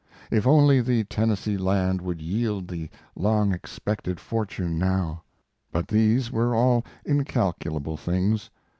If only the Tennessee land would yield the long expected fortune now! But these were all incalculable things.